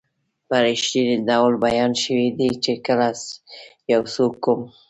په رښتني ډول بیان شوي دي چې کله یو څوک کوم